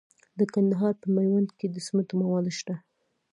د کندهار په میوند کې د سمنټو مواد شته.